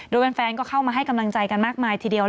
โดยแฟนก็เข้ามาให้กำลังใจกันมากมายทีเดียว